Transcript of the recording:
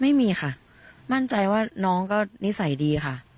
ไม่มีค่ะมั่นใจว่าน้องก็นิสัยดีค่ะ